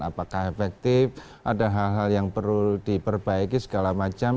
apakah efektif ada hal hal yang perlu diperbaiki segala macam